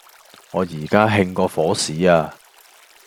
我而家興過火屎呀